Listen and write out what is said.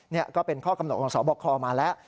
นี่ก็เป็นข้อกำหนดของสบคมาแล้ว